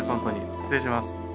失礼します。